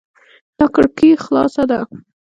دا کړکي خلاصه ده